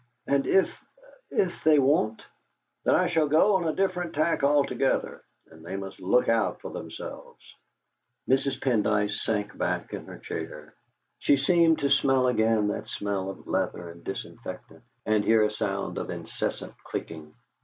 "And if if they won't?" "Then I shall go on a different tack altogether, and they must look out for themselves." Mrs. Pendyce sank back in her chair; she seemed to smell again that smell of leather and disinfectant, and hear a sound of incessant clicking.